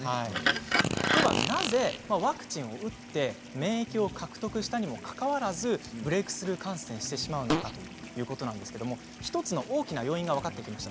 では、なぜワクチンを打って免疫を獲得したにもかかわらずブレークスルー感染をしてしまうのかということなんですが１つの大きな要因が分かってきました。